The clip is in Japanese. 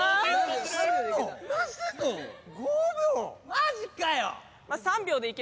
マジかよ！？